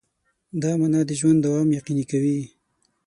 دا مانا د ژوند دوام یقیني کوي.